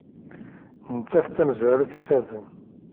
Nettat d tamezrawt ifazen.